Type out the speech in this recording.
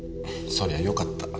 そりゃよかった。